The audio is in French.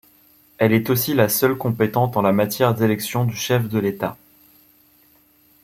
Elle est aussi la seule compétente en matière d'élection du chef de l’État.